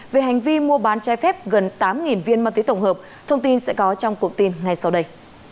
về hành vi mua bán trái phép gần tám viên ma túy tổng hợp thông tin sẽ có trong cụm tin ngay sau đây